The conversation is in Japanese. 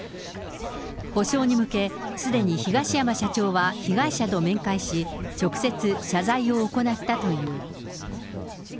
補償に向け、すでに東山社長は被害者と面会し、直接謝罪を行ったという。